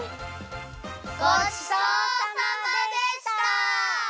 ごちそうさまでした！